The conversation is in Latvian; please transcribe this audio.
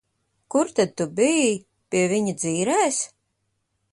Kur tad tu biji? Pie viņa dzīrēs?